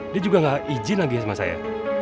dia juga gak izin lagi sama saya